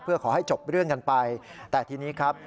เพื่อขอให้จบเรื่องกันไปแต่ทีนี้ครับ